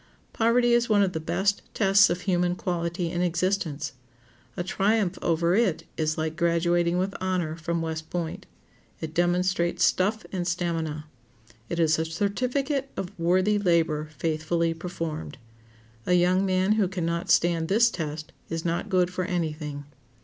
Poverty is one of the best tests of human quality in existence. A triumph over it is like graduating with honor from West Point. It demonstrates stuff and stamina. It is a certificate of worthy labor faithfully performed. A young man who can not stand this test is not good for any thing.